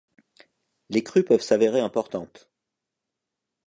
Les crues peuvent s'avérer importantes.